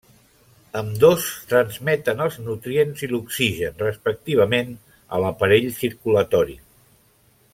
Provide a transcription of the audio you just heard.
Ambdós transmeten els nutrients i l'oxigen, respectivament, a l'aparell circulatori.